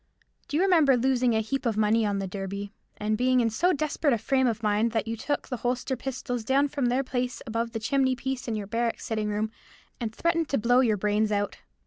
"Do you remember losing a heap of money on the Derby, and being in so desperate a frame of mind that you took the holster pistols down from their place above the chimney piece in your barrack sitting room, and threatened to blow your brains out?